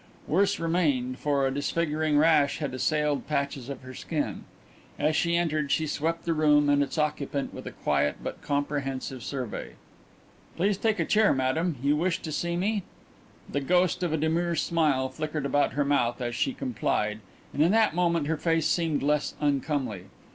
Worse remained, for a disfiguring rash had assailed patches of her skin. As she entered she swept the room and its occupant with a quiet but comprehensive survey. "Please take a chair, Madame. You wished to see me?" The ghost of a demure smile flickered about her mouth as she complied, and in that moment her face seemed less uncomely.